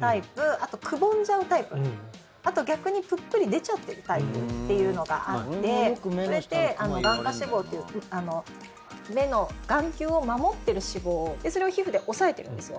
あと、くぼんじゃうタイプあと、逆にぷっくり出ちゃってるタイプっていうのがあってそれって眼窩脂肪という目の眼球を守ってる脂肪それを皮膚で押さえてるんですよ。